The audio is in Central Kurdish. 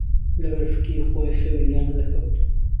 له بەر فکری خۆی خەوی لێ نهدهکهوت